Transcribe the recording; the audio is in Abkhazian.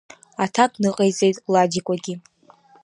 Аҭак ныҟаиҵеит Ладикәагьы.